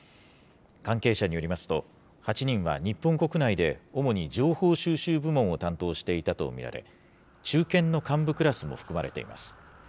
関係者によりますと、８人は日本国内で主に情報収集部門を担当していたと見られ、中堅の幹部クラスも含まれています。